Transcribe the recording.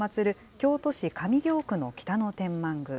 京都市上京区の北野天満宮。